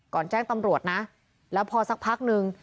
แจ้งตำรวจนะแล้วพอสักพักนึง